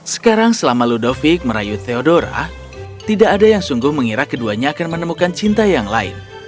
sekarang selama ludovic merayu theodora tidak ada yang sungguh mengira keduanya akan menemukan cinta yang lain